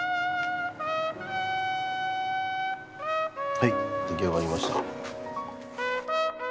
はい出来上がりました。